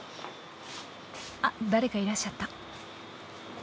あっ誰かいらっしゃった。